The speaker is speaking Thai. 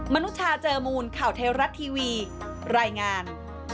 นุชาเจอมูลข่าวเทวรัฐทีวีรายงาน